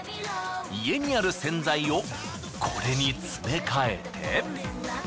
家にある洗剤をこれに詰め替えて。